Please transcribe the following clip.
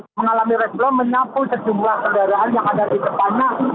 mengalami remblong menyapu sejumlah kendaraan yang ada di depannya